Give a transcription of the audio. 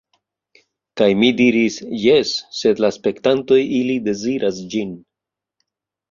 Kaj mi diris: "Jes, sed la spektantoj ili deziras ĝin."